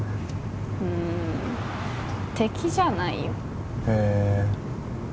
うん敵じゃないよへえ